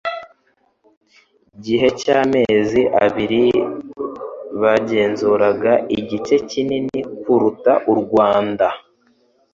gihe cy amezi abiri bagenzuraga igice kinini kuruta u Rwanda